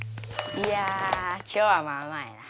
いや今日はまあまあやな。